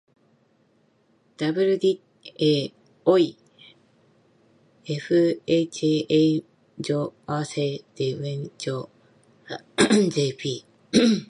wd っへおい fhwfhfrG 除 j わせ jg おウィ qg じょ wrg じ thl ら jglqg